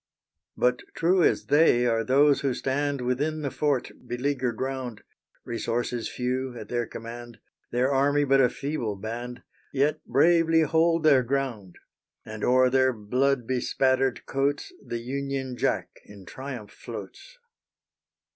But true as they are those who stand Within the fort beleaguered round; Resources few at their command, Their army but a feeble band, Yet bravely hold their ground; And o'er their blood bespattered coats The Union Jack in triumph floats.